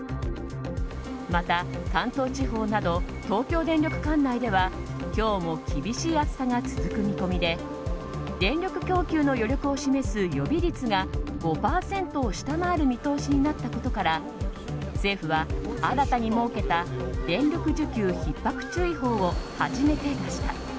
また、関東地方など東京電力管内では今日も厳しい暑さが続く見込みで電力供給の余力を示す予備率が５％を下回る見通しになったことから政府は新たに設けた電力需給ひっ迫注意報を初めて出した。